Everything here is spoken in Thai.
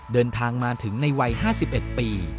เดินทางมาถึงในวัย๕๑ปี